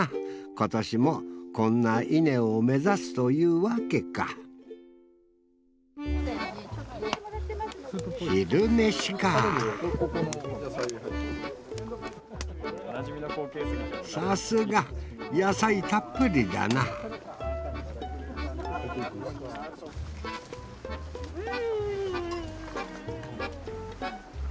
今年もこんな稲を目指すというわけか昼飯かさすが野菜たっぷりだなハハハッ。